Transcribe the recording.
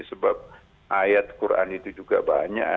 sebab ayat quran itu juga banyak